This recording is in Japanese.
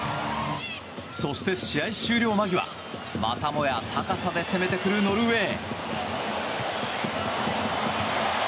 そして試合終了間際またもや高さで攻めてくるノルウェー。